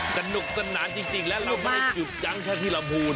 สนุกสนานจริงและเราไม่ได้จุดจังแค่ที่ลำพูน